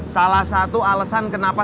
salah satu alesan kenapa